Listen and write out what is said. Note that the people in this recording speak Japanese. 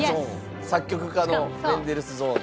作曲家のメンデルスゾーンと。